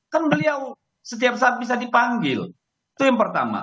kan beliau setiap saat bisa dipanggil itu yang pertama